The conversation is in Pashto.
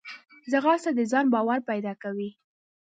ځغاسته د ځان باور پیدا کوي